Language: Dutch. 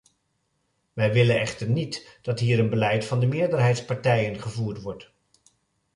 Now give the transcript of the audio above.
Wij willen echter niet dat hier een beleid van de meerderheidspartijen gevoerd wordt.